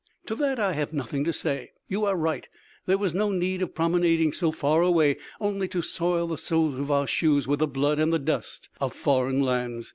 "To that I have nothing to say. You are right. There was no need of promenading so far away only to soil the soles of our shoes with the blood and the dust of foreign lands.